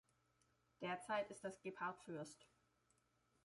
Derzeit ist dies Gebhard Fürst.